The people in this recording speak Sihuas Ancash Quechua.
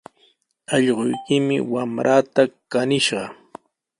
Allquykimi wamraata kaniskishqa.